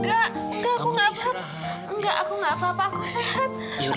enggak aku gak apa apa aku sehat